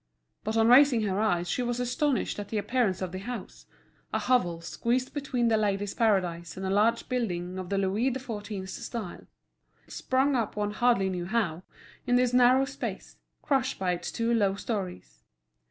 But on raising her eyes she was astonished at the appearance of the house, a hovel squeezed between The Ladies' Paradise and a large building of the Louis XIV. style, sprung up one hardly knew how, in this narrow space, crushed by its two low storeys.